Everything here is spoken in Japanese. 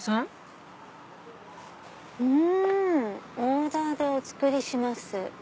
「オーダーでお作りします」。